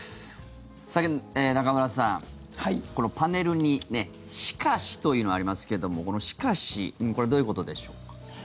さて、中村さんこのパネルに「しかし」というのがありますけどもこの「しかし」これ、どういうことでしょうか。